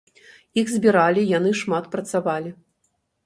Іх збіралі, яны шмат працавалі.